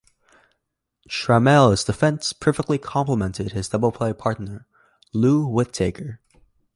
Trammell's defense perfectly complemented his double-play partner, Lou Whitaker.